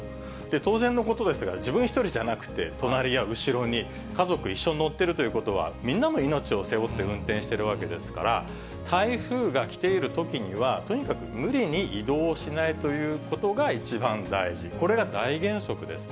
当然のことですが、自分一人じゃなくて、隣や後ろに家族、一緒に乗ってるということは、みんなの命を背負って運転しているわけですから、台風が来ているときには、とにかく無理に移動をしないということが一番大事、これが大原則です。